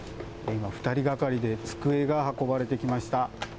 今、２人がかりで机が運ばれてきました。